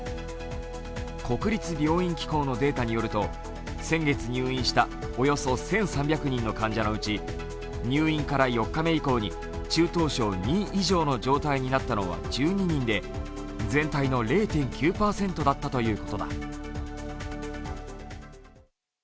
国立病院機構のデータによると、先月入院したおよそ１３００人の患者のうち、入院から４日目以降に中等症Ⅱ以上の状態になったのは１２人で全体の０．９％だったということだ。